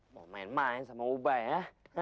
mau main main sama uba ya